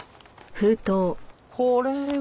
これは？